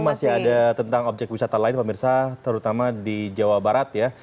ini masih ada tentang objek wisata lain pak mirsa terutama di jawa barat ya